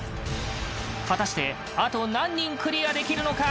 果たしてあと何人クリアできるのか？